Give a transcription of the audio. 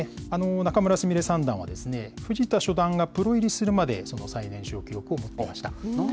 仲邑菫三段は、藤田初段がプロ入りするまで、最年少記録を持っていました。